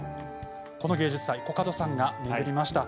この芸術祭、コカドさんが巡りました。